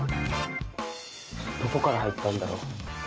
どこから入ったんだろ？